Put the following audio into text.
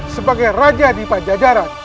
sebagai raja di pajajaran